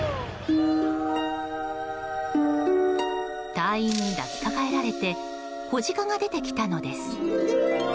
隊員に抱きかかえられて子ジカが出てきたのです。